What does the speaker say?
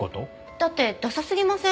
だってダサすぎません？